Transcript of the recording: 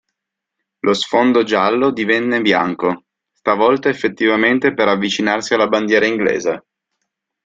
Lo sfondo giallo divenne bianco, stavolta effettivamente per avvicinarsi alla bandiera inglese.